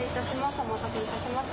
お待たせいたしました。